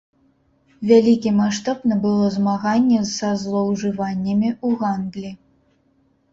Вялікі маштаб набыло змаганне са злоўжываннямі ў гандлі.